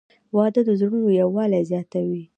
• واده د زړونو یووالی زیاتوي.